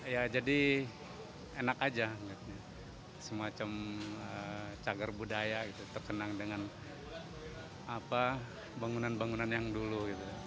ya jadi enak aja semacam cagar budaya gitu terkenang dengan bangunan bangunan yang dulu gitu